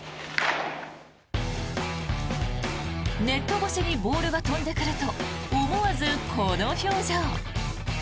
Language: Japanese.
ネット越しにボールが飛んでくると思わずこの表情。